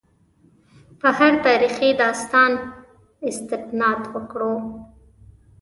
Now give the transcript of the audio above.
په هر تاریخي داستان استناد وکړو.